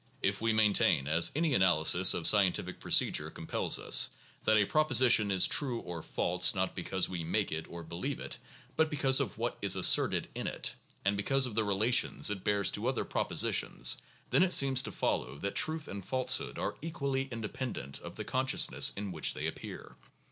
If we maintain, as any analysis of scientific procedure compels us, that a proposition is true or false not because we make it or believe it, but because of what is asserted in it, or because of the relation it bears to other propositions, then it seems to follow that truth and falsehood are equally independent of the consciousness in which they appear.